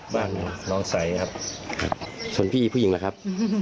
บ้านน้องใสครับส่วนพี่ผู้หญิงนะครับ